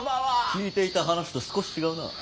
聞いていた話と少し違うなあ。